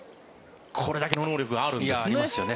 これだけの能力があるんですね。